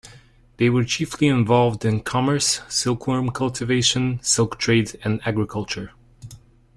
They were chiefly involved in commerce, silkworm cultivation, silk trade and agriculture.